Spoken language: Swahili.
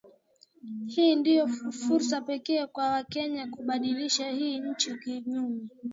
Hii ndio fursa pekee kwa wakenya kubadilisha hii nchi kiuchumi